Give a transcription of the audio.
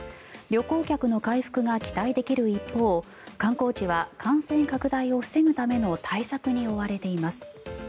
旅行客の回復が期待できる一方観光地は感染拡大を防ぐための対策に追われています。